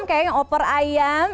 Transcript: kayaknya oper ayam